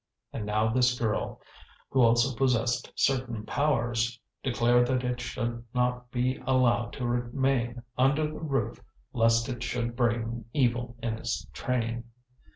And now this girl, who also possessed certain powers, declared that it should not be allowed to remain under the roof lest it should bring evil in its train.